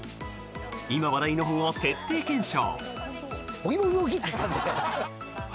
今、話題の本を徹底検証！